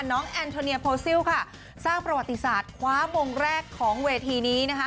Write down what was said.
แอนโทเนียโพซิลค่ะสร้างประวัติศาสตร์คว้ามงแรกของเวทีนี้นะคะ